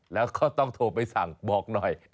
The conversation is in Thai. แล้วก็ต้องโทรไปสั่งบอกหน่อย